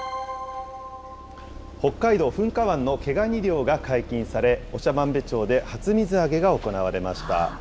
北海道噴火湾の毛ガニ漁が解禁され、長万部町で初水揚げが行われました。